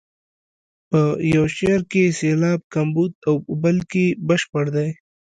په یو شعر کې سېلاب کمبود او په بل کې بشپړ دی.